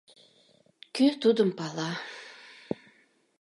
кӧ тудым пала...